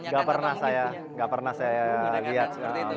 gak pernah saya lihat